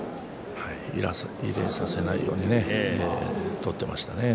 入れさせないように取っていましたね。